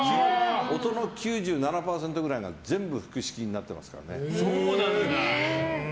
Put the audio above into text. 音の９７％ぐらいが全部腹式になってますからね。